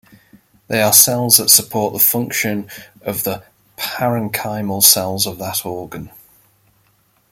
They are cells that support the function of the parenchymal cells of that organ.